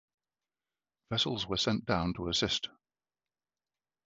Vessels were sent down to assist.